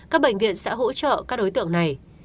các bệnh viện sẽ hỗ trợ các đối tượng này